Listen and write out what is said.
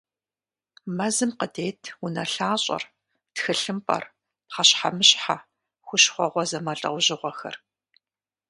Мэзым къыдет унэлъащӀэр, тхылъымпӀэр, пхъэщхьэмыщхьэ, хущхъуэгъуэ зэмылӀэужьыгъуэхэр.